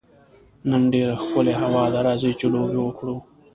نن ډېره ښکلې هوا ده، راځئ چي لوبي وکړو.